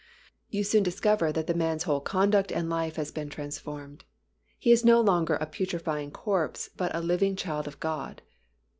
You soon discover that the man's whole conduct and life has been transformed. He is no longer a putrefying corpse but a living child of God.